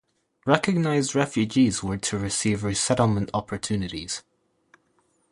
Recognized refugees were to receive resettlement opportunities.